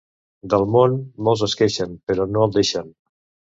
Del món molts es queixen, però no el deixen.